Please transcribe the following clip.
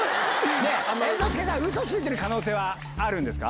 猿之助さんウソついてる可能性はあるんですか？